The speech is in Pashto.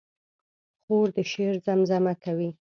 خور د شعر زمزمه کوي.